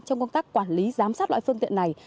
trong công tác quản lý giám sát loại phương tiện này